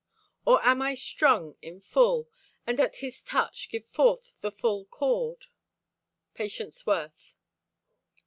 Or am I strung in full And at His touch give forth the full chord? —PATIENCE WORTH.